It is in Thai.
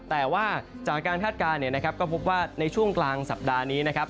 แต่ว่าจากการคาดการณ์เนี่ยนะครับก็พบว่าในช่วงกลางสัปดาห์นี้นะครับ